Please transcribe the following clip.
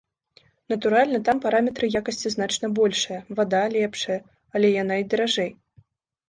Натуральна, там параметры якасці значна большыя, вада лепшая, але яна і даражэй.